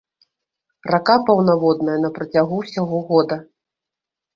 Рака паўнаводная на працягу ўсяго года.